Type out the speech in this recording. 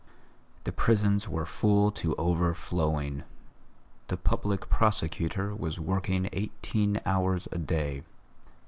The prisons were full to overflowing; the Public Prosecutor was working eighteen hours a day.